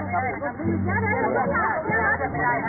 สวัสดีครับสวัสดีครับ